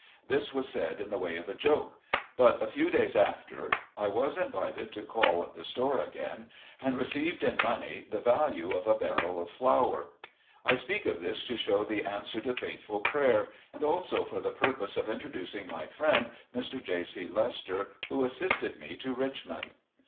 This was said in the way of a joke. But a few days after I was invited to call at the store again, and received in money the value of a barrel of flour. I speak of this to show the answer to faithful prayer, and also for the purpose of intro ducing my friend, Mr. J. C. Lester, who assisted me to Richmond.